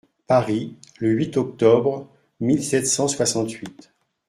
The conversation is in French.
Paris, le huit octobre mille sept cent soixante-huit.